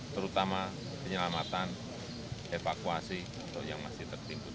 terutama penyelamatan evakuasi yang masih tertimbun